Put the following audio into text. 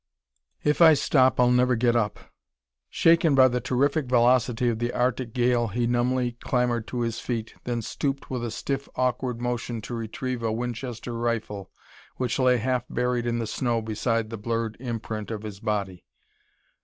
"If I stop, I'll never get up." Shaken by the terrific velocity of the arctic gale he numbly clambered to his feet, then stooped with a stiff awkward motion to retrieve a Winchester rifle which lay half buried in the snow beside the blurred imprint of his body.